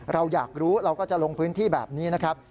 เราอยากรู้เราก็จะลงพื้นที่แบบนี้นะครับ